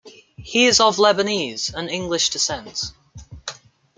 He is of Lebanese and English descent.